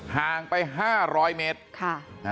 ห่างไป๕๐๐เมตร